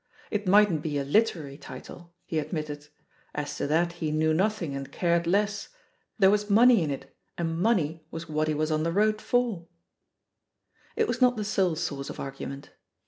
It mightn't be a "literary" title, he admitted ; as to that, he "knew nothing and cared less ; there was money in it, and money was what he was on the road fori" It was not the sole source of argument.